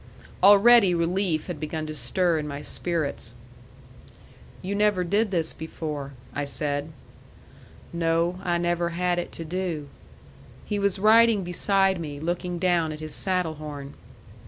Already relief had begun to stir in my spirits. "You never did this before," I said. "No. I never had it to do." He was riding beside me, looking down at his saddle horn.